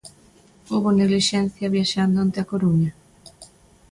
Houbo neglixencia viaxando onte á Coruña?